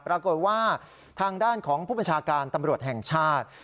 ปรากฏว่าทางด้านของผู้บัญชาการตำรวจแห่งชาติ